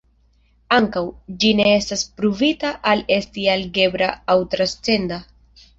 Ankaŭ, ĝi ne estas pruvita al esti algebra aŭ transcenda.